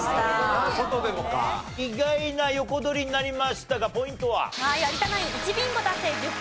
意外な横取りになりましたがポイントは？